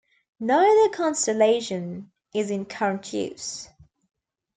Neither constellation is in current use.